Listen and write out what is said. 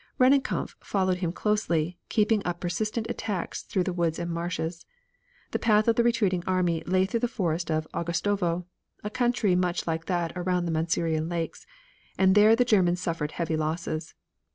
Rennenkampf followed him closely, keeping up persistent attacks through the woods and marshes. The path of the retreating army lay through the forest of Augustovo, a country much like that around the Masurian Lakes, and there the Germans suffered heavy losses.